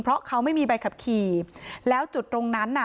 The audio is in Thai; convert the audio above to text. เพราะเขาไม่มีใบขับขี่แล้วจุดตรงนั้นน่ะ